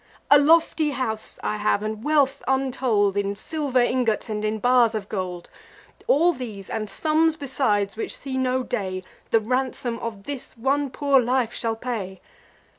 A lofty house I have, and wealth untold, In silver ingots, and in bars of gold: All these, and sums besides, which see no day, The ransom of this one poor life shall pay.